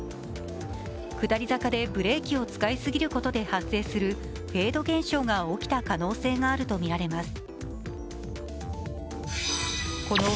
下り坂でブレーキを使いすぎることで発生するフェード現象が起きた可能性があるとみられます。